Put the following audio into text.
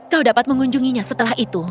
kau dapat mengunjunginya setelah itu